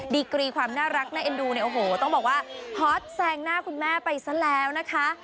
ดีกรีความน่ารักน่าเอ็นดูเนี่ยโอ้โหต้องบอกว่าฮอตแซงหน้าคุณแม่ไปซะแล้วนะคะ